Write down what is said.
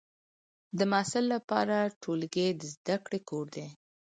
د محصل لپاره ټولګی د زده کړې کور دی.